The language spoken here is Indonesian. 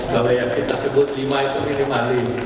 kalau yang kita sebut lima itu minimal lima